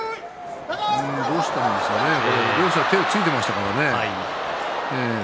どうしたんでしょうね両者手をついていましたからね。